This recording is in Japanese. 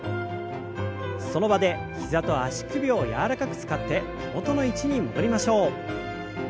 その場で膝と足首を柔らかく使って元の位置に戻りましょう。